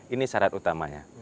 ini syarat utamanya